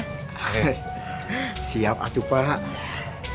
he siap atuh pak